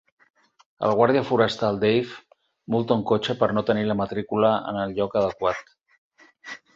El guàrdia forestal Dave multa un cotxe per no tenir la matrícula en el lloc adequat